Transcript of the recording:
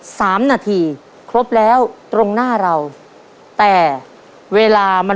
ครอบครัวของแม่ปุ้ยจังหวัดสะแก้วนะครับ